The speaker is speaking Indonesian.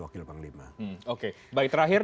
wakil panglima oke baik terakhir